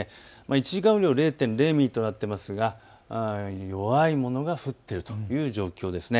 １時間雨量０．０ミリとなっていますが弱いものが降っているという状況です。